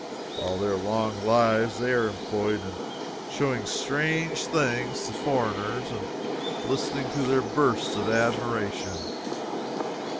All their lives long, they are employed in showing strange things to foreigners and listening to their bursts of admiration.